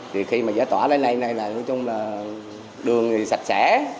thì khi mà giải tỏa lấy này này là đường thì sạch sẽ